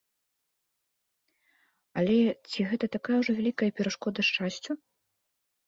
Але ці гэта такая ўжо вялікая перашкода шчасцю?